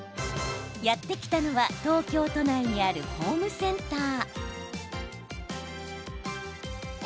やって来たのは東京都内にあるホームセンター。